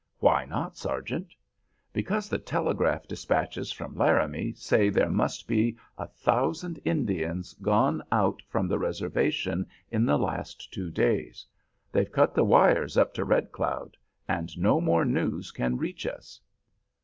"Why not, sergeant?" "Because the telegraph despatches from Laramie say there must be a thousand Indians gone out from the reservation in the last two days. They've cut the wires up to Red Cloud, and no more news can reach us."